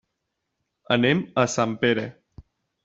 Anem a Sempere.